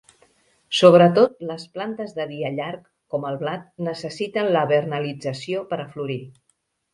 Sobretot les plantes de dia llarg, com el blat, necessiten la vernalització per a florir.